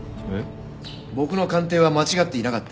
僕の鑑定は間違っていなかった